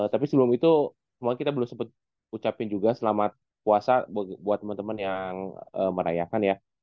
tapi sebelum itu semoga kita belum sempet ucapin juga selamat puasa buat temen temen yang merayakan ya